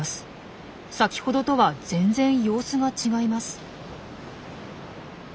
先ほどとは全然様子が違います。